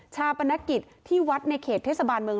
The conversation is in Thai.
ชาประนักกิจที่วัดในเขตเทศบาลเมือง๑๐๑